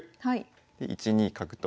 で１二角と。